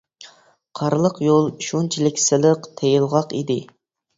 قارلىق يول شۇنچىلىك سىلىق، تېيىلغاق ئىدى.